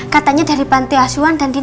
katanya dari bante asuan dan dindigun